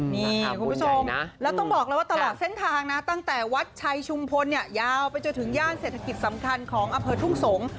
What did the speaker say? นี่คุณผู้ชมแล้วต้องบอกเลยว่าตลอดเส้นทางนะตั้งแต่วัดชัยชุมพลเนี่ยยาวไปจนถึงย่านเศรษฐกิจสำคัญของอำเภอทุ่งสงศ์